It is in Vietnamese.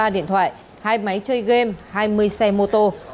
hai mươi ba điện thoại hai máy chơi game hai mươi xe mô tô